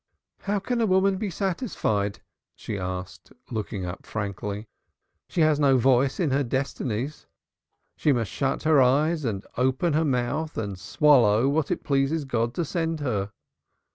"How can a woman be satisfied?" she asked, looking up frankly. "She has no voice in her destinies. She must shut her eyes and open her mouth and swallow what it pleases God to send her."